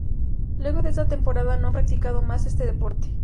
Luego de esa temporada no han practicado más este deporte.